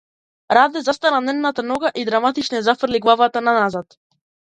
Раде застана на една нога и драматично ја зафрли главата наназад.